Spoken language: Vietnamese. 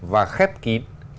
và khép kín